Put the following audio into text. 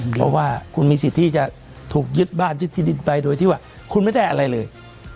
เพราะว่าคุณมีสิทธิ์ที่จะถูกยึดบ้านยึดที่ดินไปโดยที่ว่าคุณไม่ได้อะไรเลย